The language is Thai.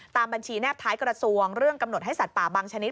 ตามบัญชีแนบท้ายกระทรวงเรื่องกำหนดให้สัตว์ป่าบางชนิด